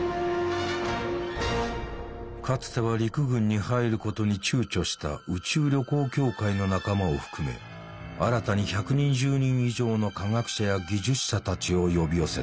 かつては陸軍に入ることに躊躇した宇宙旅行協会の仲間を含め新たに１２０人以上の科学者や技術者たちを呼び寄せた。